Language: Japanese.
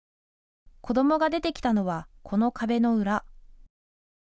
子どもが出て来たのはこの壁の裏。